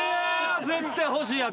絶対欲しいやつ。